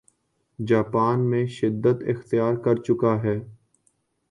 Japan میں شدت اختیار کرچکا ہے